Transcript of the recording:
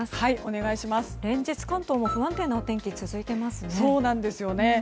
連日、関東も不安定な天気続いていますよね。